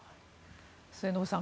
末延さん